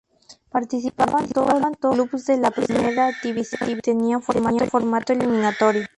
Participaban todos los clubes de la Primera División y tenía formato eliminatorio.